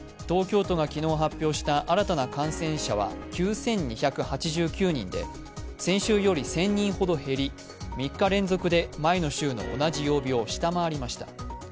東京都が昨日発表した新たな感染者は９２８９人で先週より１０００人ほど減り、３日連続で前の週の同じ曜日を下回りました。